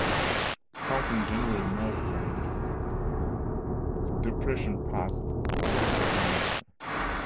Tracking generally northward, the depression passed west of Jamaica.